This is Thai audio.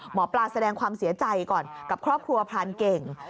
หมอปลาแสดงความเสียใจก่อนกับครอบครัวพรานเก่ง